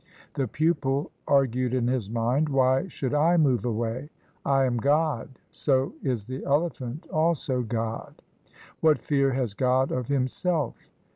The pupil argued in his mind, "Why should I move away? I am God, so is the elephant also God. What fear has God of himself?"